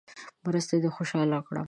مرستې دې خوشاله کړم.